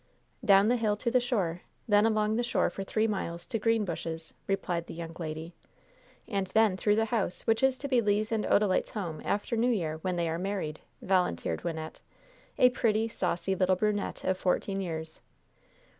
"Down the hill to the shore then along the shore for three miles to Greenbushes," replied the young lady. "And then through the house, which is to be Le's and Odalite's home after New Year, when they are married," volunteered Wynnette, a pretty, saucy little brunette of fourteen years.